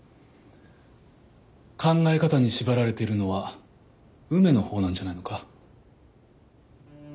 考え方に縛られているのは梅のほうなんじゃないのか？